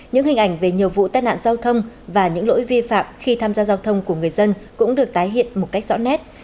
những hình ảnh về nhiều vụ tai nạn giao thông và những lỗi vi phạm khi tham gia giao thông của người dân cũng được tái hiện một cách rõ nét